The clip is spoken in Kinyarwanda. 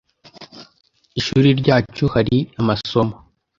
Ishuri ryacu hari amasomo